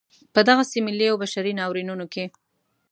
په دغسې ملي او بشري ناورینونو کې.